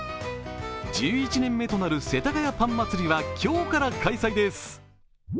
１１年目となる世田谷パン祭りは今日から開催です。